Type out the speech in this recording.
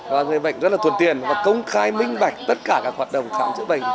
và người bệnh rất là thuận tiền và công khai minh bạch tất cả các hoạt động khám chữa bệnh